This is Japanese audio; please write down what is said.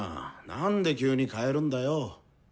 なんで急に変えるんだよ？